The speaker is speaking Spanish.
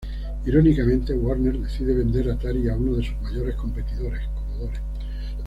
Irónicamente Warner decide vender Atari a uno de sus mayores competidores, Commodore.